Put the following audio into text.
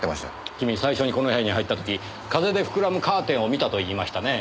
君最初にこの部屋に入った時風で膨らむカーテンを見たと言いましたねぇ。